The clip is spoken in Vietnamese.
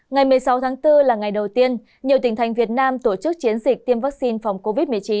ngày một mươi sáu tháng bốn là ngày đầu tiên nhiều tỉnh thành việt nam tổ chức chiến dịch tiêm vaccine phòng covid một mươi chín